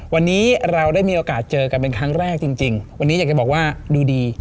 วันนี้เราได้มีโอกาสเจอกันเป็นครั้งแรกจริงวันนี้อยากจะบอกว่าดูดี